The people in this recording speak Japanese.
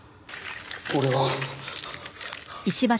俺は。